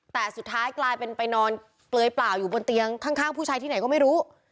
แต่สุดท้ายกลายเป็นไปนอนเปลือยเปล่าอยู่บนเตียงข้างผู้ชายที่ไหนก็ไม่รู้